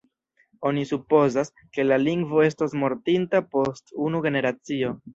Oni supozas, ke la lingvo estos mortinta post unu generacio.